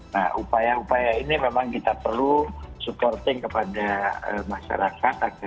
nah upaya upaya ini memang kita perlu supporting kepada masyarakat